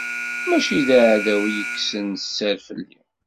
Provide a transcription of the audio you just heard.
Mačči d aɛdaw i yekksen sser fell-i.